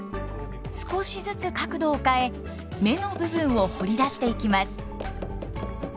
少しずつ角度を変え目の部分を彫り出していきます。